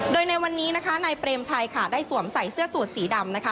โดยในวันนี้นะคะนายเปรมชัยค่ะได้สวมใส่เสื้อสูตรสีดำนะคะ